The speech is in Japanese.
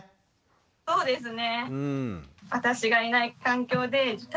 そうですね。